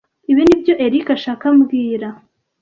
Ibi nibyo Eric ashaka mbwira